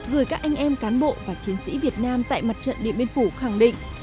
gửi các anh em cán bộ và chiến sĩ việt nam tại mặt trận điện biên phủ khẳng định